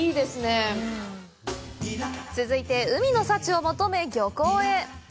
続いて、海の幸を求め、漁港へ。